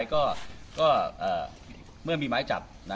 ก็ก็เอ่อเมื่อมีไม้จับนะ